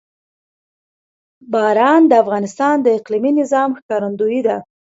باران د افغانستان د اقلیمي نظام ښکارندوی ده.